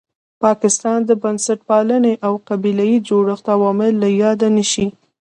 پاکستان، بنسټپالنې او قبیله یي جوړښت عوامل له یاده نه شي.